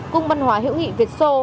cung văn hóa hữu nghị việt sô